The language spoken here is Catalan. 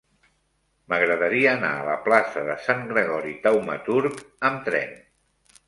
M'agradaria anar a la plaça de Sant Gregori Taumaturg amb tren.